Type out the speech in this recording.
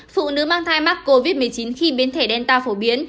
phụ nữ mang thai mắc covid một mươi chín khi biến thể đen tạo phổ biến